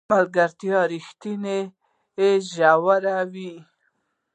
د ملګرتیا ریښې ژورې وي.